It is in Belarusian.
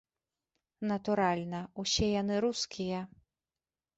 Натуральна, усе яны рускія.